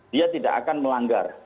dia tidak akan melanggar